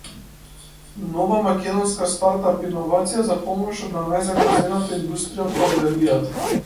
Нова македонска стартап иновација за помош на најзагрозената индустрија од пандемијата